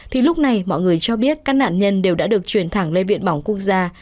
thì lúc này mọi người cho biết các nạn nhân đều đã được chuyển thẳng lên viện bỏng quốc gia